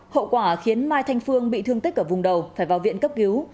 hậu quả khiến mai thanh phương bị thương tích ở vùng đầu phải vào viện cấp cứu